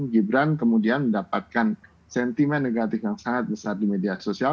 gibran kemudian mendapatkan sentimen negatif yang sangat besar di media sosial